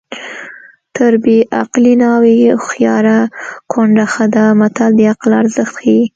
تر بې عقلې ناوې هوښیاره کونډه ښه ده متل د عقل ارزښت ښيي